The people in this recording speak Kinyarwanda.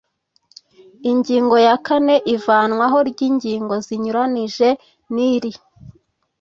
Ingingo ya kane Ivanwaho ry ingingo zinyuranije n iri